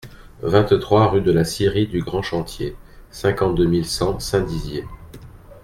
vingt-trois rue de la Scierie du Grand Chantier, cinquante-deux mille cent Saint-Dizier